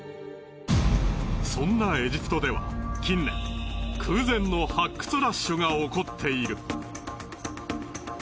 そんなエジプトでは近年空前の発掘ラッシュが起こっている。